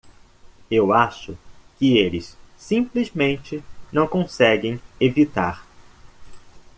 Eu acho que eles simplesmente não conseguem evitar.